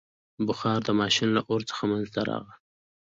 • بخار ماشین له اور څخه منځته راغی.